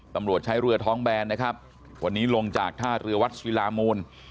ตำรวจใช้เรือท้องแบนนะครับวันนี้ลงจากท่าเรือวัดศิลามูล